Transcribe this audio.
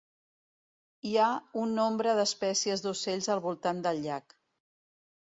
Hi ha un nombre d'espècies d'ocells al voltant del llac.